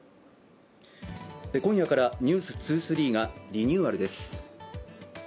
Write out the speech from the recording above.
今夜から「ｎｅｗｓ２３」がリニューアルです。